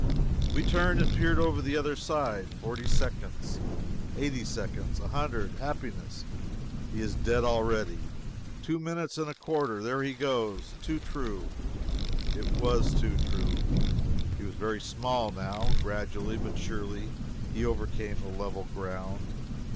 We turned and peered over the other side forty seconds eighty seconds a hundred happiness, he is dead already! two minutes and a quarter "There he goes!" Too true it was too true. He was very small, now. Gradually, but surely, he overcame the level ground.